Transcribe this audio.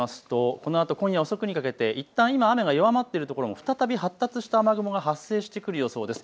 このあと今夜遅くにかけていったん今、雨が弱まっている所も再び発達した雨雲が発生してくる予想です。